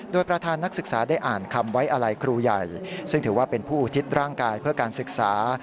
โดยประธานนักศึกษาได้อ่านคำไว้อะไรครูใหญ่ซึ่งถือว่าเป็นผู้อุทิศร่างกายเพื่อการศึกษา